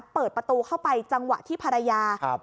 เปิดประตูเข้าไปจังหวะที่ภรรยา